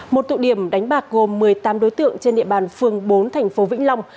một tụ điểm đánh bạc gồm một mươi tám đối tượng trên địa bàn phường bốn thành phố vĩnh long